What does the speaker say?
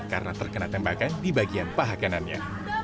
karena terkena tembakan di bagian paha kanannya